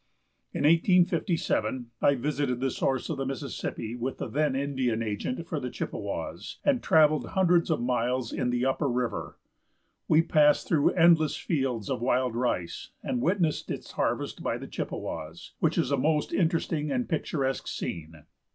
In 1857 I visited the source of the Mississippi with the then Indian agent for the Chippewas, and traveled hundreds of miles in the upper river. We passed through endless fields of wild rice, and witnessed its harvest by the Chippewas, which is a most interesting and picturesque scene.